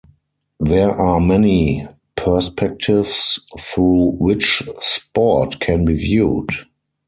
There are many perspectives through which sport can be viewed.